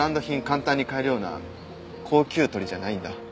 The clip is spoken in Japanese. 簡単に買えるような高給取りじゃないんだ。